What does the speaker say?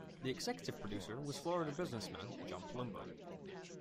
The executive producer was Florida businessman John Palumbo.